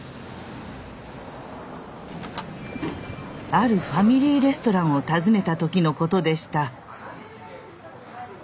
あるファミリーレストランを訪ねた時のことでした。